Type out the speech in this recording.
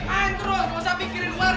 main terus nggak usah pikirin luar